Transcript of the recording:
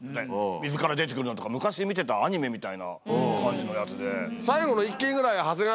水から出て来るのとか昔見てたアニメみたいな感じのやつで。